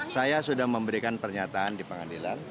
saya sudah memberikan pernyataan di pengadilan